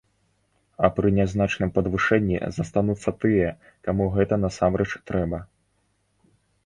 А пры нязначным падвышэнні застануцца тыя, каму гэта насамрэч трэба.